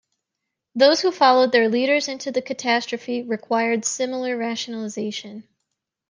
Those who followed their leaders into the catastrophe required similar rationalization.